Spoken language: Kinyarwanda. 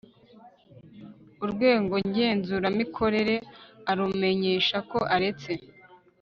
urwego ngenzuramikorere arumenyesha ko aretse